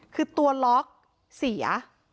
คือตัวล็อกเสีย